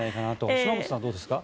島本さんはどうですか？